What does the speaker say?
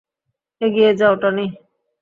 এগিয়ে যাও, টনি!